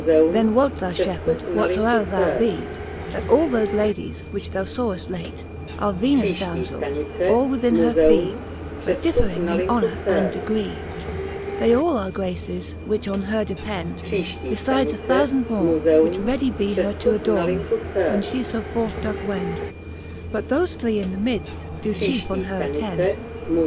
„.:> Then wote thou, fliepheard, whatfoever thou bee, That all thofe Ladies, which thou faweft late, Are Venus Damzels, all with her in fee, But differing in honour and degree : They are all Graces, which on her depend, Befides a thoufand more, which ready bee Her to adorne, when fo flie forth doth wend : But thofe three in the midft doe chiefe on her attend.